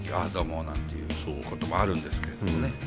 あどうもなんていうこともあるんですけどね。